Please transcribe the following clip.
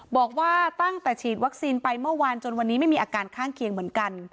บอกว่าตั้งแต่ฉีดวัคซีนไปเมื่อวานจนวันนี้ไม่มีอาการข้างเคียงเหมือนกัน